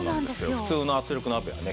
普通の圧力鍋はね